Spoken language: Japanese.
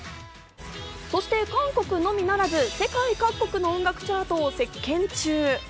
そして韓国のみならず、世界各国の音楽チャートを席巻中。